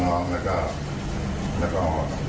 น้องแล้วก็